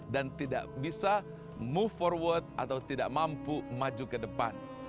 dan tidak bisa move forward atau tidak mampu maju ke depan